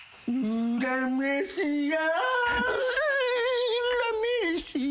うらめしや。